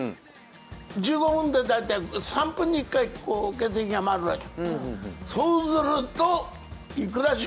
１５分で大体３分に１回血液が回るらしい。